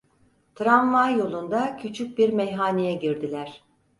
Tramvay yolunda küçük bir meyhaneye girdiler.